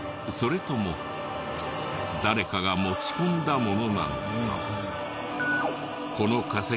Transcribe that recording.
それとも誰かが持ち込んだものなのか？